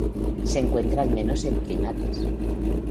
Se encuentra al menos en primates.